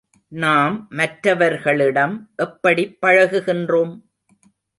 நாம் மற்றவர்களிடம் எப்படிப் பழகுகின்றோம்?